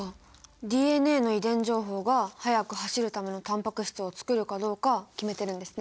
ＤＮＡの遺伝情報が速く走るためのタンパク質をつくるかどうか決めてるんですね。